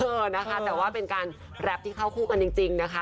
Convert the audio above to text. เออนะคะแต่ว่าเป็นการแรปที่เข้าคู่กันจริงนะคะ